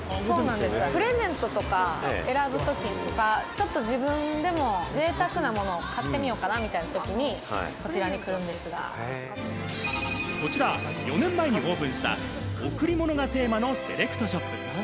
プレゼントとか選ぶときとか、自分でも贅沢なものを買ってみようかな、みたいなときに、こちらこちら４年前にオープンした、贈り物がテーマのセレクトショップ。